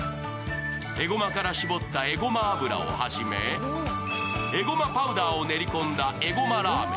えごまから搾ったえごま油をはじめ、えごまパウダーを練り込んだえごまラーメン。